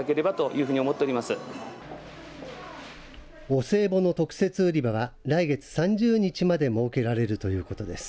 お歳暮の特設売り場は来月３０日まで設けられるということです。